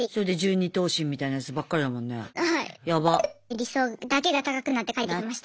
理想だけが高くなって帰ってきました。